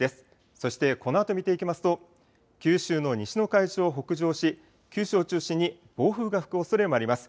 そしてこのあと見ていきますと、九州の西の海上を北上し、九州を中心に暴風が吹くおそれもあります。